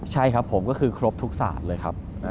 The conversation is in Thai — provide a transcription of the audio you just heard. ใช่ครับผมก็คือครบทุกศาสตร์เลยครับ